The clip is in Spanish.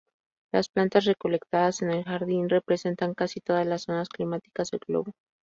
Las plantas recolectadas en el jardín representan casi todas las zonas climáticas del globo.